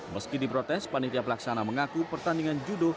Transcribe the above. meski diprotes panitia pelaksana mengaku pertandingan judo